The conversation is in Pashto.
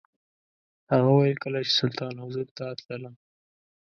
هغه وویل کله چې سلطان حضور ته تللم.